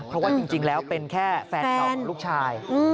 เพราะว่าจริงแล้วเป็นแค่แฟนเก่าของลูกชาย